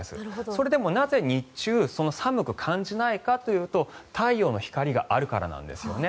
それでもなぜ日中寒く感じないかというと太陽の光があるからなんですよね。